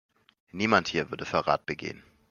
Niemand hier würde Verrat begehen.